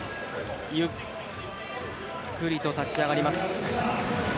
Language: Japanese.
ゆっくりと立ち上がります。